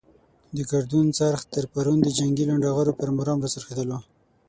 د ګردون څرخ تر پرون د جنګي لنډه غرو پر مرام را څرخېدلو.